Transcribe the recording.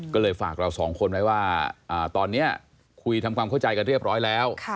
ก็เลยฝากเราสองคนไว้ว่าตอนนี้คุยทำความเข้าใจกันเรียบร้อยแล้ว